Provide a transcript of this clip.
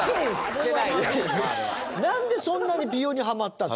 なんでそんなに美容にハマったの？